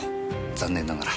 残念ながら。